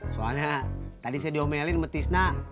soalnya tadi saya diomelin sama tisna